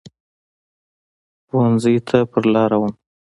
پوهنځۍ ته په لاره وم.